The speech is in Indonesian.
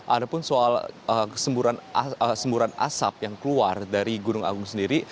ada pun soal semburan asap yang keluar dari gunung agung sendiri